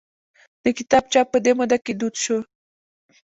د کتاب چاپ په دې موده کې دود شو.